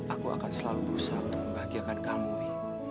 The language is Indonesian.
aku akan selalu berusaha untuk membahagiakan kamu dewi